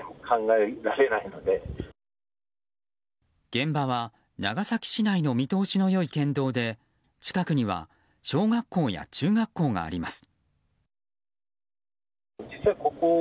現場は長崎市内の見通しの良い県道で近くには小学校や中学校があります。